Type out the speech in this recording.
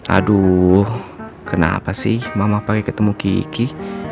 aduh kenapa sih mama pakai ketemu kiki